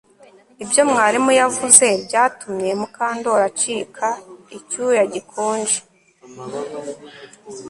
Ibyo mwarimu yavuze byatumye Mukandoli acika icyuya gikonje